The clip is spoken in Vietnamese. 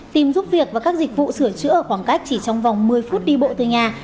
tìm giúp việc và các dịch vụ sửa chữa ở khoảng cách chỉ trong vòng một mươi phút đi bộ từ nhà